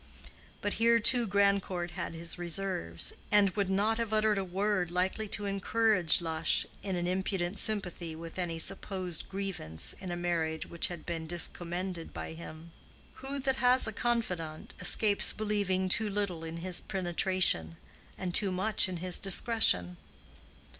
But here too Grandcourt had his reserves, and would not have uttered a word likely to encourage Lush in an impudent sympathy with any supposed grievance in a marriage which had been discommended by him. Who that has a confidant escapes believing too little in his penetration, and too much in his discretion?